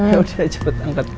yaudah cepet angkat